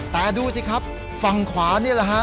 แต่ดูสิครับฝั่งขวานี่แหละฮะ